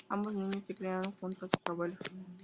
Ambos niños se criaron junto a sus abuelos.